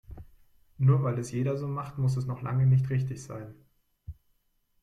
Nur weil es jeder so macht, muss es noch lange nicht richtig sein.